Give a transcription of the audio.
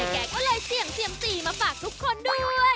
แกก็เลยเสี่ยงเซียมซีมาฝากทุกคนด้วย